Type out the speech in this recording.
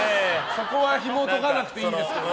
そこはひもとかなくていいんですけど。